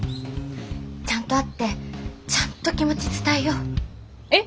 ちゃんと会ってちゃんと気持ち伝えよう。え！？